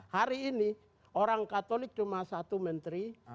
hari ini orang katolik cuma satu menteri